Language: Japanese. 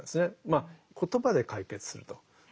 まあ言葉で解決すると。